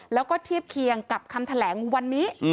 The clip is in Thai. แล้วก็เทียบเคียงกับคำแถลงวันนี้